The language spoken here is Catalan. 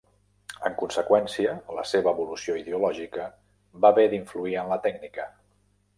En conseqüència, la seva evolució ideològica va haver d'influir en la tècnica.